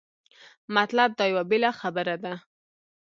مطلب دا یوه بېله خبره ده.